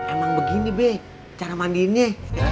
emang begini be cara mandiinnya